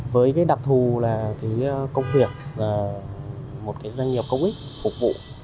với cái đặc thù là cái công việc một doanh nghiệp công ích phục vụ